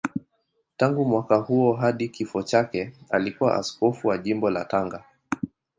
Tangu mwaka huo hadi kifo chake alikuwa askofu wa Jimbo la Tanga.